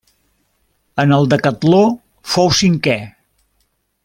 En el decatló fou cinquè.